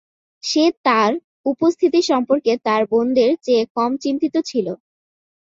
সে তাঁর উপস্থিতি সম্পর্কে তাঁর বোনদের চেয়ে কম চিন্তিত ছিল।